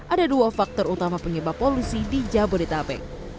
ada dua faktor utama penyebab polusi di jabodetabek